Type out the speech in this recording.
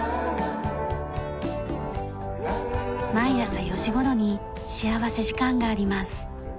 毎朝４時頃に幸福時間があります。